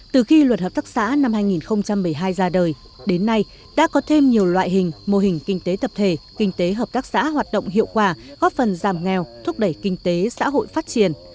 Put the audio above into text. từ khi luật hợp tác xã năm hai nghìn một mươi hai ra đời đến nay đã có thêm nhiều loại hình mô hình kinh tế tập thể kinh tế hợp tác xã hoạt động hiệu quả góp phần giảm nghèo thúc đẩy kinh tế xã hội phát triển